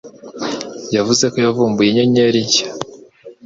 Yavuze ko yavumbuye inyenyeri nshya.